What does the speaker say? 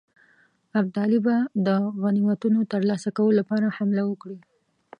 ابدالي به د غنیمتونو ترلاسه کولو لپاره حمله وکړي.